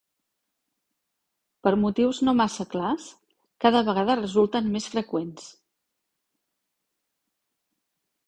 Per motius no massa clars, cada vegada resulten més freqüents.